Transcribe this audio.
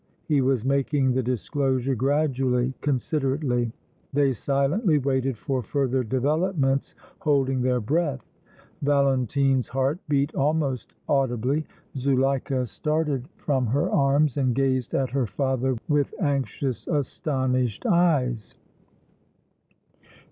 He was making the disclosure gradually, considerately. They silently waited for further developments, holding their breath. Valentine's heart beat almost audibly. Zuleika started from her arms and gazed at her father with anxious, astonished eyes.